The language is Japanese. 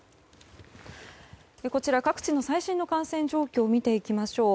こちら、各地の最新の感染状況を見ていきましょう。